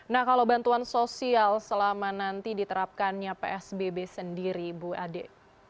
nah kalau bantuan sosial selama nanti diterapkannya psbb sendiri bu ade